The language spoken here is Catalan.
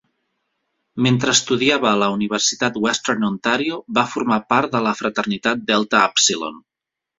Mentre estudiava a la Universitat Western Ontario, va formar part de la fraternitat Delta Upsilon.